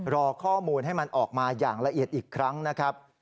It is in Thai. รอข้อมูลให้มันออกมาอย่างละเอียดอีกครั้งนะครับ